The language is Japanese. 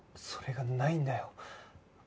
それがないんだよ。